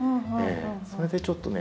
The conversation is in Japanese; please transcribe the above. それでちょっとね